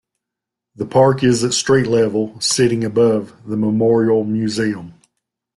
The park is at street level, sitting above the Memorial Museum.